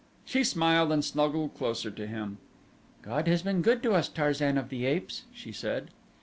She smiled and snuggled closer to him. "God has been good to us, Tarzan of the Apes," she said.